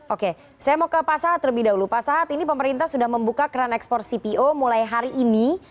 oke saya mau ke pak sahat terlebih dahulu pak sahat ini pemerintah sudah membuka keran ekspor cpo mulai hari ini